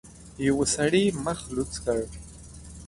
يوه سړي مخ لوڅ کړ.